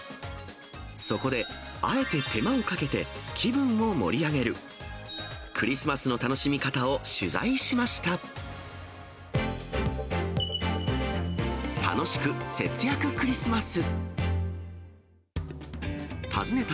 そこで、あえて手間をかけて、気分も盛り上げる、クリスマスの楽しみ方を取材しました。